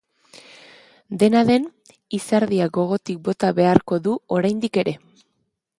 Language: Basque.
Dena den, izerdia gogotik bota beharko du oraindik ere.